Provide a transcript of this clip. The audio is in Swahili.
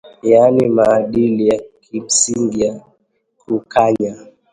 Yaani, maadili ya kimsingi ya kukanya